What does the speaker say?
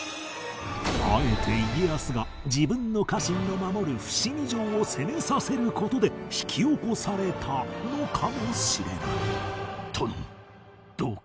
あえて家康が自分の家臣の守る伏見城を攻めさせる事で引き起こされたのかもしれない